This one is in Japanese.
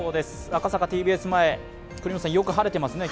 赤坂ＴＢＳ前、今日よく晴れてますね。